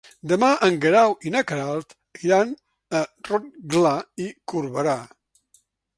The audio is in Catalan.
Demà en Guerau i na Queralt iran a Rotglà i Corberà.